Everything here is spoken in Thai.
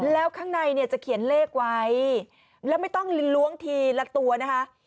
แล้วข้างในเนี่ยจะเขียนเลขไว้แล้วไม่ต้องล้วงทีละตัวนะคะ